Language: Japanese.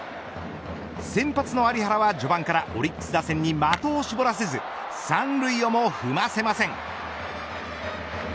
先発の有原は序盤からオリックス打線に的を絞らせず三塁をも踏ませません。